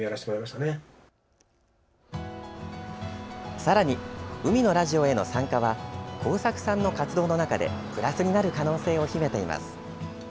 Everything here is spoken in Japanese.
さらに「海のラジオ」への参加はＫＯＵＳＡＫＵさんの活動の中でプラスになる可能性を秘めています。